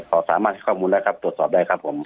เขาสามารถให้ข้อมูลแล้วครับตรวจสอบได้ครับผม